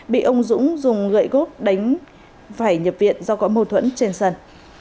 bị ông dũng dùng gậy góp đánh vải nhập viện do có mâu thuẫn trên sân